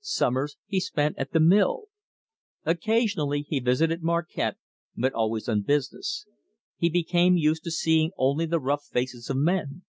Summers he spent at the mill. Occasionally he visited Marquette, but always on business. He became used to seeing only the rough faces of men.